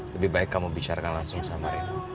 lebih baik kamu bicarkan langsung sama reno